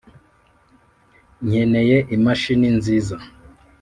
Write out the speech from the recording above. nkeneye imashini nziza